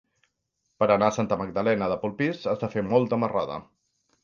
Per anar a Santa Magdalena de Polpís has de fer molta marrada.